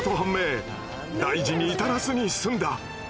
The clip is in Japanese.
大事に至らずに済んだ。